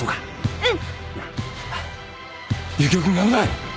うん。